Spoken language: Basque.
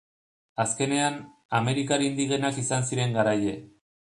Azkenean, amerikar indigenak izan ziren garaile.